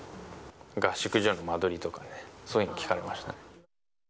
合宿所の間取りとかね、そういうの聞かれました。